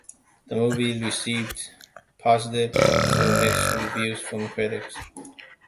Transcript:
The movie received positive to mixed reviews from critics.